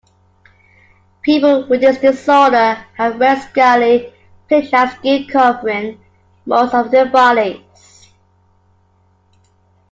People with this disorder have red, scaly, plate-like skin covering most of their bodies.